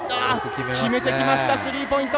決めてきましたスリーポイント。